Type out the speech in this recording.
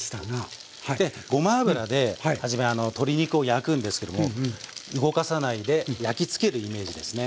でごま油で初め鶏肉を焼くんですけども動かさないで焼き付けるイメージですね。